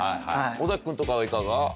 尾崎君とかはいかが？